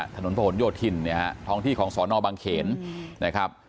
ถนนผนโยธินเนี่ยฮะท้องที่ของสอนอบังเขนนะครับ